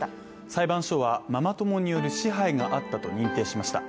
裁判所はママ友による支配があったと認定しました。